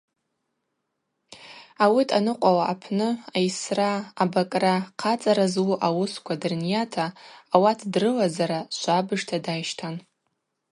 Ауи дъаныкъвауа апны айсра, абакӏра, хъацӏара злу ауысква дрынйата, ауат дрылазара швабыжта дащтан.